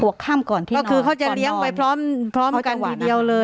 หัวข้ามก่อนที่นอกก่อนนอนก็คือเขาจะเลี้ยงไว้พร้อมพร้อมกันทีเดียวเลย